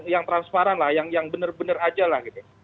yang transparan lah yang benar benar aja lah gitu